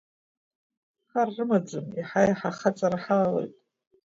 Хар рымаӡам, иаҳа-иаҳа ахаҵара ҳалалоит.